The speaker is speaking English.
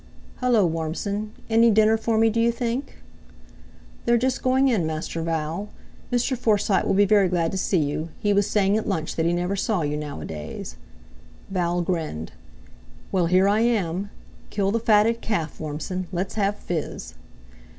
"Hullo, Warmson, any dinner for me, d'you think?" "They're just going in, Master Val. Mr. Forsyte will be very glad to see you. He was saying at lunch that he never saw you nowadays." Val grinned. "Well, here I am. Kill the fatted calf, Warmson, let's have fizz."